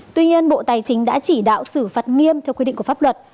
tuy nhiên bộ tài chính đã chỉ đạo xử phạt nghiêm theo quy định của pháp luật